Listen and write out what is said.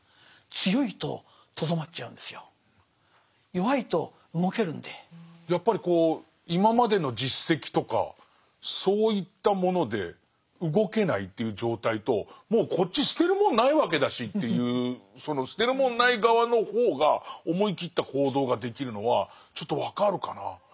変化のあわいの時代ですからやっぱりこう今までの実績とかそういったもので動けないという状態ともうこっち捨てるもんないわけだしというその捨てるもんない側の方が思い切った行動ができるのはちょっと分かるかな。